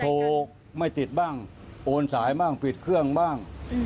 โทรไม่ติดบ้างโอนสายบ้างปิดเครื่องบ้าง